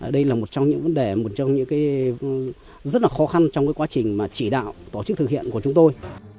đây là một trong những vấn đề một trong những cái rất là khó khăn trong quá trình mà chỉ đạo tổ chức thực hiện của chúng tôi